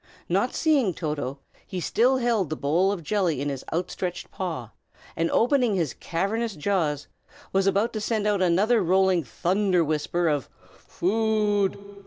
Not seeing Toto, he still held the bowl of jelly in his outstretched paw, and opening his cavernous jaws, was about to send out another rolling thunder whisper of "Food!"